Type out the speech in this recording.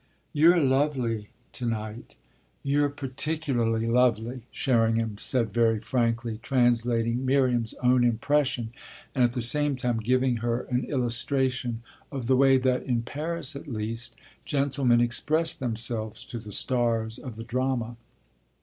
"You're lovely to night you're particularly lovely," Sherringham said very frankly, translating Miriam's own impression and at the same time giving her an illustration of the way that, in Paris at least, gentlemen expressed themselves to the stars of the drama.